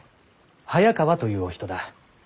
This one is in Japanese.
早川というお人だ。